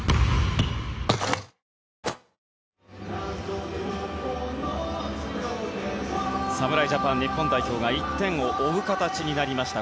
おおーーッ侍ジャパン日本代表が１点を追う形になりました。